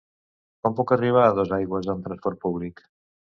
Com puc arribar a Dosaigües amb transport públic?